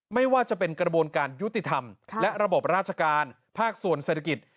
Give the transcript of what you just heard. ไม่ว่าจะเป็นกระบวนการยุติธรรมและระบบราชการภาคส่วนเศรษฐกิจ